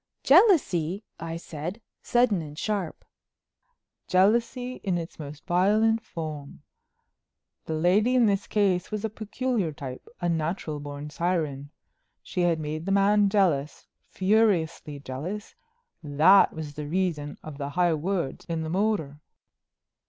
"Jealousy!" I said, sudden and sharp. "Jealousy in its most violent form. The lady in this case was a peculiar type—a natural born siren. She had made the man jealous, furiously jealous. That was the reason of the high words in the motor."